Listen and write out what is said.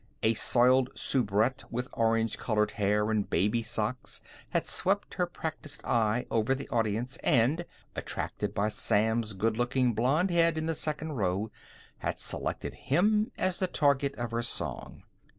A soiled soubrette with orange colored hair and baby socks had swept her practiced eye over the audience, and, attracted by Sam's good looking blond head in the second row, had selected him as the target of her song.